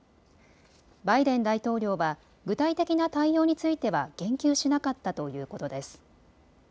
バイデン大統領は具体的な対応については言及しなかったということです。